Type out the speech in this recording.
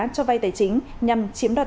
cho vai tài chính nhằm chiếm đoạt